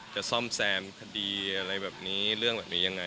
ซ่อมแซมคดีอะไรแบบนี้เรื่องแบบนี้ยังไง